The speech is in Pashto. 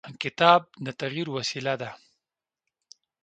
کتاب د تغیر وسیله ده.